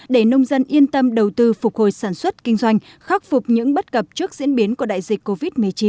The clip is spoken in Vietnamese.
để nông dân yên tâm đầu tư phục hồi sản xuất kinh doanh khắc phục những bất cập trước diễn biến của đại dịch covid một mươi chín